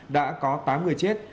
đã có tám người chết